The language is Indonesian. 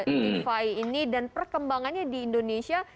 indivi ini dan perkembangannya di indonesia